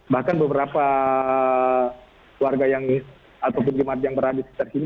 bahkan beberapa warga yang ataupun jemaat yang berada di sekitar sini